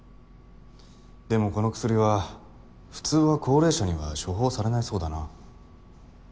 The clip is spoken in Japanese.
でもこの薬は普通は高齢者には処方されないそうだな。